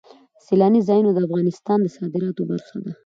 سیلانی ځایونه د افغانستان د صادراتو برخه ده.